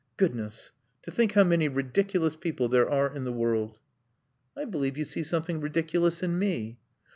"Goodness! To think how many ridiculous people there are in the world!" "I believe you see something ridiculous in me."